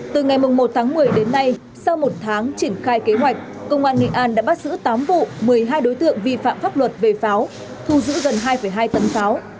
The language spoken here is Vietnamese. từ ngày một tháng một mươi đến nay sau một tháng triển khai kế hoạch công an nghệ an đã bắt giữ tám vụ một mươi hai đối tượng vi phạm pháp luật về pháo thu giữ gần hai hai tấn pháo